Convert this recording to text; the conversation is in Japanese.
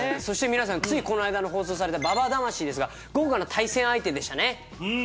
そして皆さんついこの間放送されたＢＡＢＡ魂ですが豪華な対戦相手でしたね。